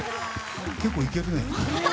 結構いけるね。